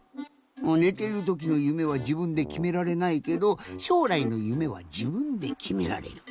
ねてるときの夢はじぶんできめられないけどしょうらいの夢はじぶんできめられる。